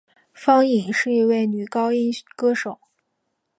方颖是一位女高音歌手。